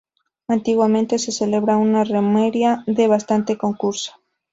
Antiguamente se celebraba una romería de bastante concurso.